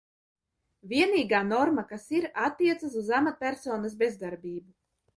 Vienīgā norma, kas ir, attiecas uz amatpersonas bezdarbību.